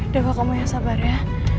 dewa kamu yang sabar ya